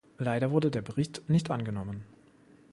Leider wurde der Bericht nicht angenommen.